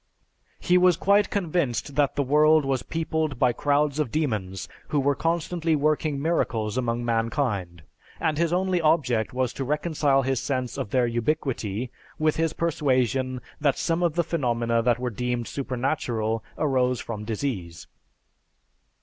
He was quite convinced that the world was peopled by crowds of demons, who were constantly working miracles among mankind; and his only object was to reconcile his sense of their ubiquity with his persuasion that some of the phenomena that were deemed supernatural arose from disease.